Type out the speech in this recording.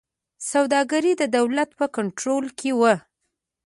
سوداګري د دولت په کنټرول کې وه.